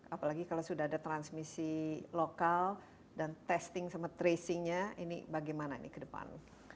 apalagi kalau sudah ada transmisi lokal dan testing sama tracingnya ini bagaimana ini ke depan